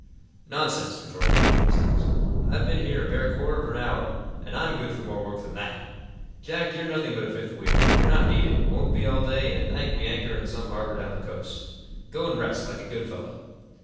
"Nonsense," retorted Hal Hastings. "I've been here a bare quarter of an hour, and I'm good for more work than that. Jack, you're nothing but a fifth wheel. You're not needed; won't be all day, and at night we anchor in some harbor down the coast. Go and rest, like a good fellow."